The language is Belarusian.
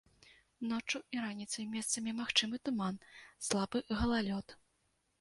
Ноччу і раніцай месцамі магчымы туман, слабы галалёд.